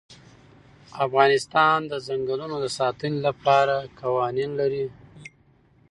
افغانستان د چنګلونه د ساتنې لپاره قوانین لري.